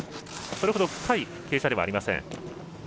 それほど深い傾斜ではありません。